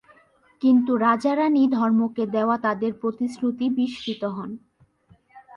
কিন্তু রাজা-রানি ধর্মকে দেওয়া তাঁদের প্রতিশ্রুতি বিস্মৃত হন।